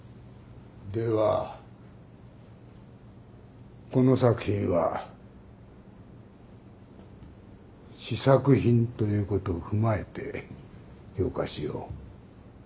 ではこの作品は試作品ということを踏まえて評価しよう。